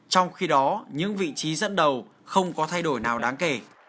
trong khi đó những vị trí dẫn đầu không có thay đổi nào đáng kể